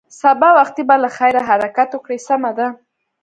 سبا وختي به له خیره حرکت وکړې، سمه ده.